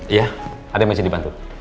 iya ada yang masih dibantu